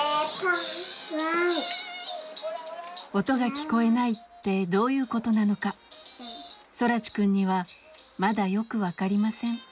音が聞こえないってどういうことなのか空知くんにはまだよく分かりません。